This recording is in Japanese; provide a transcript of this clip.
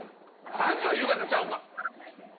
３時は夕方ちゃうか。